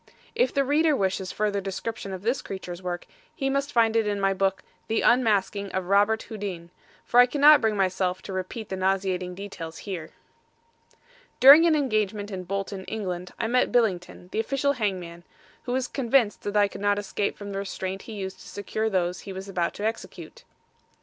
If the reader wishes further description of this creature's work, he must find it in my book, The Unmasking of Robert Houdin, for I cannot bring myself to repeat the nauseating details here. During an engagement in Bolton, Eng., I met Billington, the official hangman, who was convinced that I could not escape from the restraint he used to secure those he was about to execute.